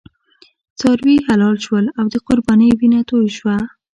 څاروي حلال شول او د قربانۍ وینه توی شوه.